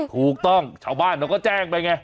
ถูกต้องชาวบ้านเขาก็แจ้งไปไง